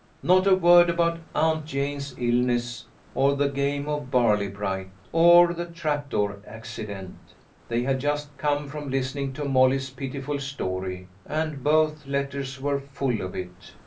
Not a word about Aunt Jane's illness, or the game of barley bright, or the trap door accident. They had just come from listen ing to Molly's pitiful story, and both letters were full of it.